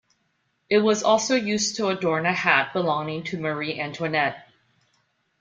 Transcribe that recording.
It was also used to adorn a hat belonging to Marie Antoinette.